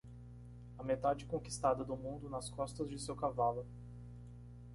A metade conquistada do mundo nas costas de seu cavalo.